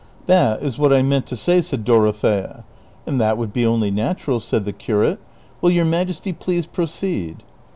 " That is what I meant to say," said Dorothea. " And that would be only natural," said the curate. " Will your majesty please proceed